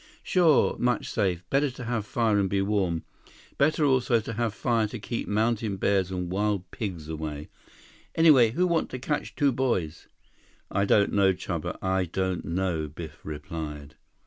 "Sure. Much safe. Better to have fire and be warm. Better also to have fire to keep mountain bears and wild pigs away. Anyway, who want to catch two boys?" "I don't know, Chuba. I don't know," Biff replied.